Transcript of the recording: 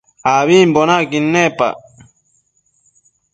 Ambimbo naquid niapa